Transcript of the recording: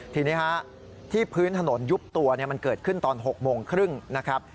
ทีนี้ที่พื้นถนนยุบตัวมันเกิดขึ้นตอน๖โมงครึ่งนะครับ